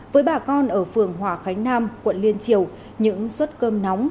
với bà con ở phường hòa khánh nam quận liên triều những suất cơm nóng